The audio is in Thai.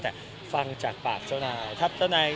แต่ฟังจากปากเจ้านาย